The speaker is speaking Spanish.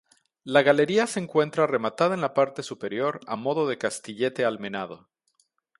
La galería se encuentra rematada en la parte superior a modo de castillete almenado.